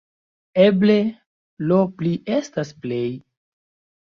Eble 'lo pli' estas 'plej'.